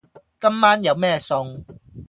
今晚有咩餸？